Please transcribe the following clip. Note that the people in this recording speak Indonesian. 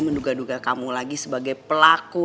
menduga duga kamu lagi sebagai pelaku